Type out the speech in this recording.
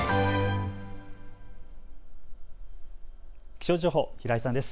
気象情報、平井さんです。